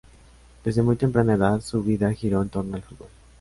Desde muy temprana edad su vida giró en torno al fútbol.